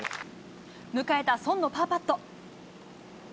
迎えたソンのパーパット。